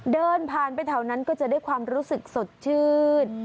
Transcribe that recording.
เดินผ่านไปแถวนั้นก็จะได้ความรู้สึกสดชื่น